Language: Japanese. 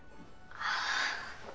ああ。